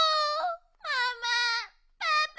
ママパパ。